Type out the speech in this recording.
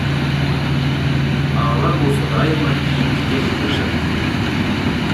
А алар болсо дайыма кийинкиге жылдырышат.